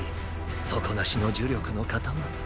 底なしの呪力の塊。